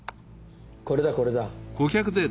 これだこれだ。